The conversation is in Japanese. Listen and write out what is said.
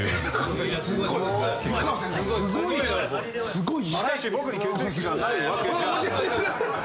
すごい！